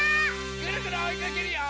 ぐるぐるおいかけるよ！